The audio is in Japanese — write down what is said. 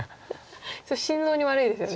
心臓に悪いですよね。